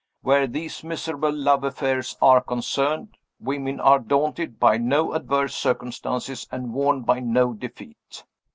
Where these miserable love affairs are concerned, women are daunted by no adverse circumstances and warned by no defeat.